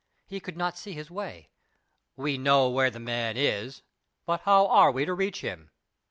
He could not see his way. "We know where the man is; but how are we to reach him?